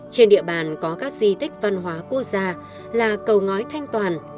trên địa bàn có các di tích văn hóa quốc gia là cầu ngói thanh toàn